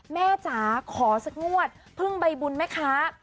แม่จ๋าขอสักงวดเพิ่งใบบุญไหมคะ